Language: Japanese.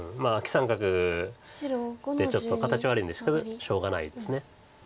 三角でちょっと形悪いんですけどしょうがないです。